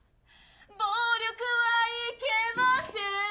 暴力はいけません